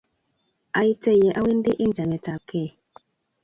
Aite ye awendi eng' chamet ap kei.